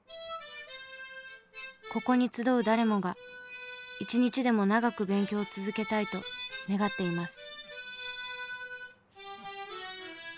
ここに集う誰もが一日でも長く勉強を続けたいと願っています。